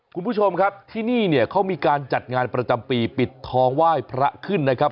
คุณผู้ชมครับที่นี่เนี่ยเขามีการจัดงานประจำปีปิดทองไหว้พระขึ้นนะครับ